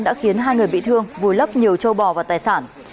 đã khiến hai người bị thương vùi lấp nhiều châu bò và tài sản